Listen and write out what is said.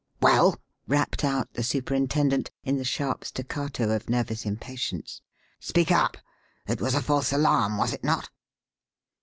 "Well?" rapped out the superintendent, in the sharp staccato of nervous impatience. "Speak up! It was a false alarm, was it not?"